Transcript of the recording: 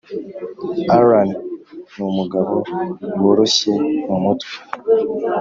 Alain numugabo woroshye mumutwe